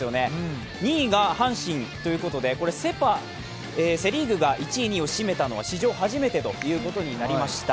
２位が阪神ということでセ・パ、セ・リーグが１位、２位を占めたのは、史上初めてということになりました。